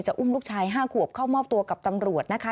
อุ้มลูกชาย๕ขวบเข้ามอบตัวกับตำรวจนะคะ